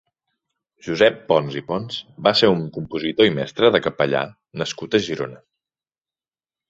Josep Pons i Pons va ser un compositor i mestre de capellà nascut a Girona.